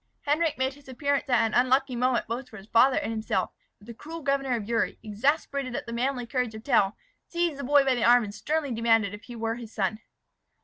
Henric made his appearance at an unlucky moment both for his father and himself; for the cruel governor of Uri, exasperated at the manly courage of Tell, seized the boy by the arm and sternly demanded if he were his son.